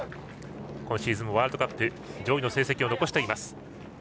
今シーズンもワールドカップ上位の成績を残しています。